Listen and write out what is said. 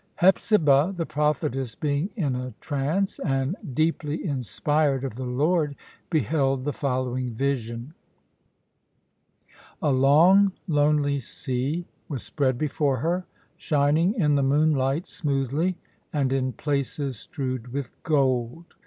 "Hepzibah, the prophetess, being in a trance, and deeply inspired of the Lord, beheld the following vision: A long lonely sea was spread before her, shining in the moonlight smoothly, and in places strewed with gold.